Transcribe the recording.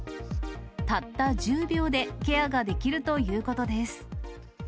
たった１０秒でケアができるということです。